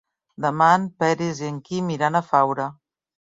Demà en Peris i en Quim iran a Faura.